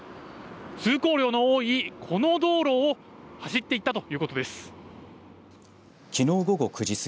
通行量の多いこの道路を走っていったということです。